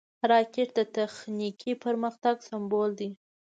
راکټ د تخنیکي پرمختګ سمبول دی